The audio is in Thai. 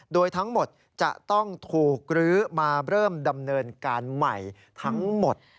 โดยทั้งหมดจะต้องถูกรื้อมาเริ่มดำเนินการใหม่ทั้งหมด